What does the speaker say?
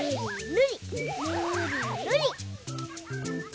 ぬりぬり。